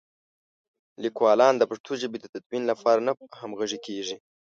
لیکوالان د پښتو ژبې د تدوین لپاره نه همغږي کېږي.